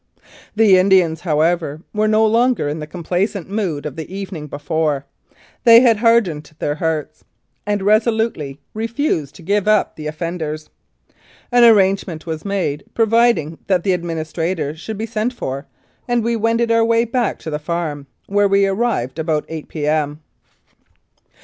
The Indians, however, were no longer in the complaisant mood of the evening before they had hardened their hearts, and resolutely refused to give up the offenders. An arrangement was made providing that the admini strator should be sent for, and we wended our way back to the farm, where we arrived about 8 p.m.